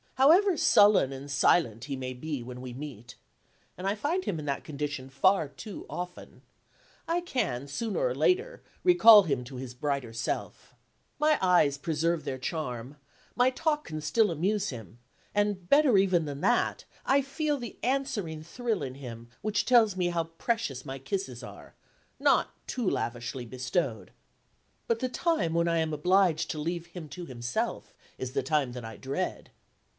However sullen and silent he may be, when we meet and I find him in that condition far too often I can, sooner or later, recall him to his brighter self. My eyes preserve their charm, my talk can still amuse him, and, better even than that, I feel the answering thrill in him, which tells me how precious my kisses are not too lavishly bestowed! But the time when I am obliged to leave him to himself is the time that I dread.